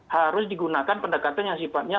harus digunakan pendekatan yang sifatnya